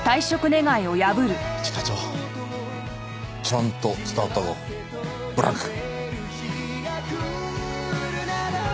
ちゃんと伝わったぞブランク！